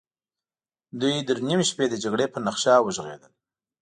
دوی تر نيمې شپې د جګړې پر نخشه وغږېدل.